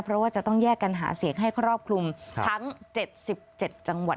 เพราะว่าจะต้องแยกกันหาเสียงให้ครอบคลุมทั้ง๗๗จังหวัด